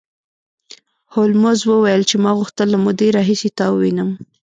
هولمز وویل چې ما غوښتل له مودې راهیسې تا ووینم